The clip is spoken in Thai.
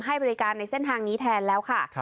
ให้บริการในเส้นทางนี้แทนแล้วค่ะ